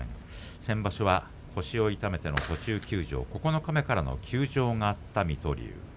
先場所は腰を痛めての途中休場九日目からの休場があった水戸龍。